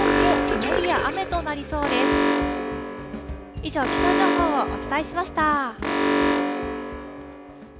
以上、気象情報をお伝えしました。